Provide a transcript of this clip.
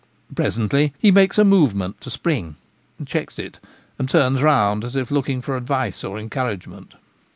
Pre sently he makes a movement to spring, checks it, and turns round as if looking for advice or encouragement.